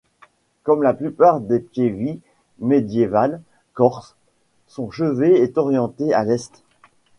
Comme la plupart des pievi médiévales corses, son chevet est orienté à l’est.